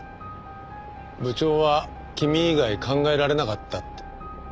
部長は君以外考えられなかったって。